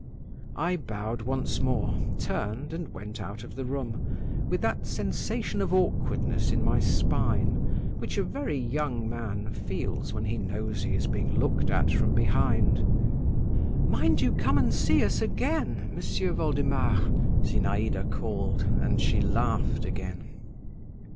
I bowed once more, turned, and went out of the room with that sensation of awkwardness in my spine which a very young man feels when he knows he is being looked at from behind. "Mind you come and see us again, M'sieu Voldemar," Zinaïda called, and she laughed again.